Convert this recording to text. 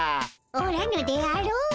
おらぬであろう。